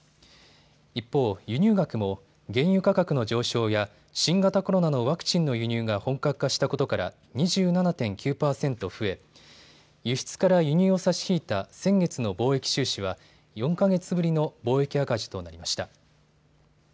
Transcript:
一方、輸入額も原油価格の上昇や新型コロナのワクチンの輸入が本格化したことから２７．９％増え、輸出から輸入を差し引いた先月の貿易収支は４か月ぶりの貿易赤字となりました。